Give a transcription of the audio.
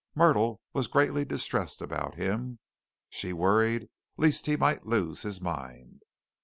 Myrtle was greatly distressed about him. She worried lest he might lose his mind.